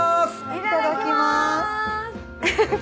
いただきます！